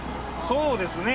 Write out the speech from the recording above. そうですね。